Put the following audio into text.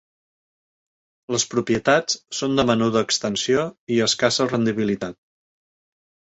Les propietats són de menuda extensió i escassa rendibilitat.